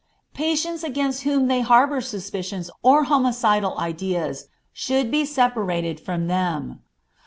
Patients against whom they harbor suspicious or homicidal ideas should be separated from them.